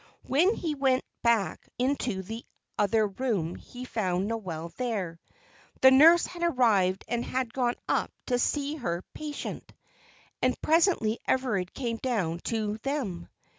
When he went back into the other room he found Noel there. The nurse had arrived and had gone up to see her patient. And presently Everard came down to them.